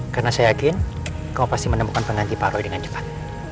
karena saya yakin kamu pasti menemukan pengganti paroi dengan cepat